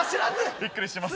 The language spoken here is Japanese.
びっくりしてます。